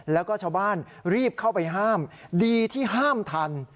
แล้วก็ชาวบ้านรีบเข้าไปห้ามดีที่ห้ามทัน